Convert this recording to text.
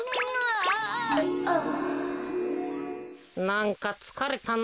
なんかつかれたな。